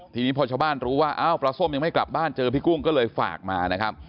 ทีนี้พอชาวบ้านรู้ว่าอ้าวปลาส้มยังไม่กลับบ้านเจอพี่กุ้งก็เลยฝากมานะครับ